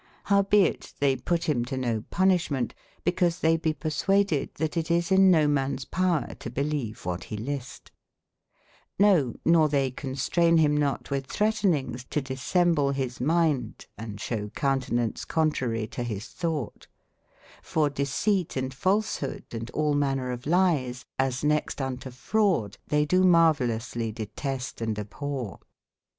r>owbeittbeyputbimtono punisbment, because tbey be persuad ed, tbat it is in no mans power to beleve wbat be list, ]Vo, nor tbey constraine bym not witb tbreatninges to dissemble bis minde, and sbewcountenaunce contrarie to bis tbougbt, for deceit and falsbod & all maners of lies, as next unto fraude, tbey do mervelouslie deteste & abborre.